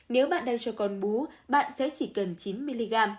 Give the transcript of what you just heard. nếu bạn đang cho con bú bạn sẽ chỉ cần chín mg